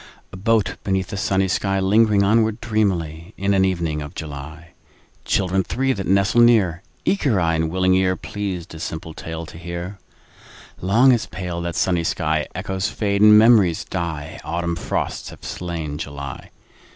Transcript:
A boat beneath a sunny sky, Lingering onward dreamily In an evening of July— Children three that nestle near, Eager eye and willing ear, Pleased a simple tale to hear— Long has paled that sunny sky: Echoes fade and memories die. Autumn frosts have slain July.